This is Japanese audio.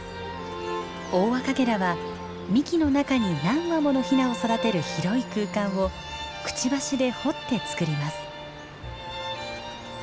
オオアカゲラは幹の中に何羽ものヒナを育てる広い空間をクチバシで掘って作ります。